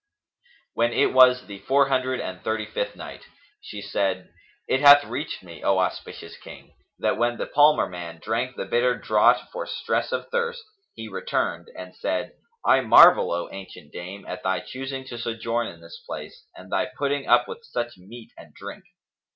When it was the Four Hundred and Thirty fifth Night, She said, it hath reached me, O auspicious King, that when the palmer man drank the bitter draught for stress of thirst, he returned and said "I marvel, O ancient dame, at thy choosing to sojourn in this place and thy putting up with such meat and drink!"